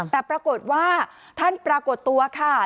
แต่ปรากฏว่าท่านปรากฏตัวค่ะ